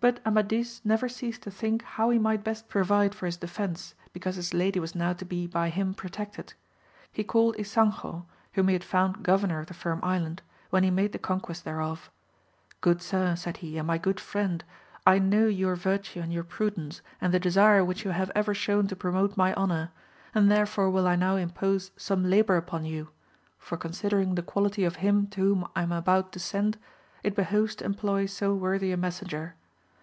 UT Amadis never ceased to think how he might best provide for his defence because his lady was now to be by him protected. He called Ysanjo, whom he had found governor of the Firm Island when he made the conquest thereof. Good sir, said he, and my good Mend, I know your virtue and your prudence, and the desire AMADIS OF GAVL 05 vhich you have ever shewn to promote my honour, and therefore will I now impose some labour upon you, for considering the quality of him to whom I am about to send, it behoves to employ so worthy a mes senger.